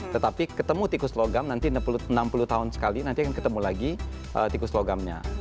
tetapi ketemu tikus logam nanti enam puluh tahun sekali nanti akan ketemu lagi tikus logamnya